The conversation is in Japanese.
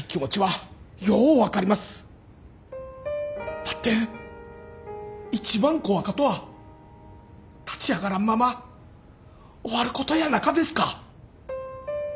ばってん一番怖かとは立ち上がらんまま終わることやなかですか